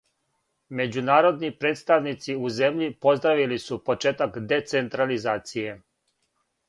Међународни представници у земљи поздравили су почетак децентрализације.